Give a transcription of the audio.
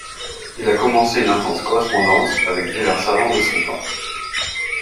Il a commencé une intense correspondance avec divers savants de son temps.